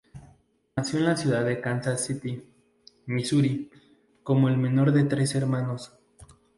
Nació en la ciudad de Kansas City, Misuri, como el menor de tres hermanos.